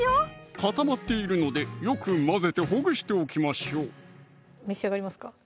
固まっているのでよく混ぜてほぐしておきましょう召し上がりますか？